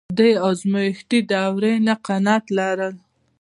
د ازمایښتي دورې نه قناعت لرل.